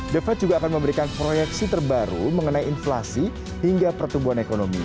the fed juga akan memberikan proyeksi terbaru mengenai inflasi hingga pertumbuhan ekonomi